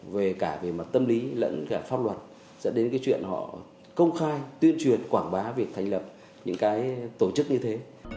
về cả về mặt tâm lý lẫn cả pháp luật dẫn đến cái chuyện họ công khai tuyên truyền quảng bá việc thành lập những cái tổ chức như thế